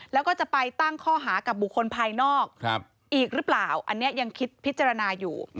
แล้วก็จะไปตั้งข้อหากับบุคคลภายนอกอีกหรือเปล่าอันนี้ยังคิดพิจารณาอยู่